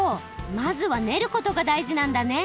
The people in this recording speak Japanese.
まずはねることがだいじなんだね。